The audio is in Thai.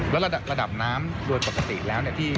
แล้วระดับน้ำโดยปกติแล้วเนี่ย